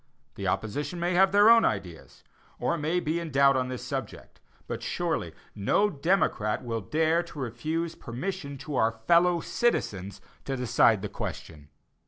The opposition may have their own ideas, or may be in doubt upon this subject; but surely no true democrat will dare to refuse permission to our fellow citizens to decide the question.